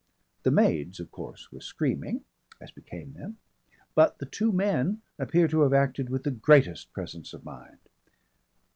The maids of course were screaming as became them but the two men appear to have acted with the greatest presence of mind.